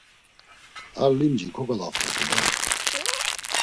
Ar limci kogolaft̆atu da!